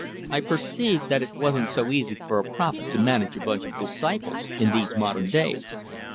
I perceived that it wasn't so easy for a prophet to manage a bunch of disciples in these modern days!